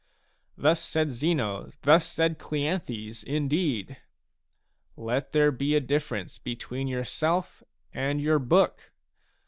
" Thus said Zeno, thus said Cleanthes, indeed !" Let there be a difference between yourself and your book!